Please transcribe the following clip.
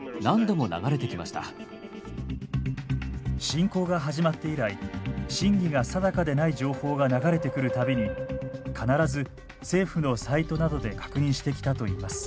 侵攻が始まって以来真偽が定かでない情報が流れてくる度に必ず政府のサイトなどで確認してきたといいます。